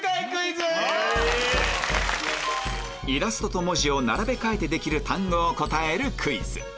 イラストと文字を並べ替えてできる単語を答えるクイズ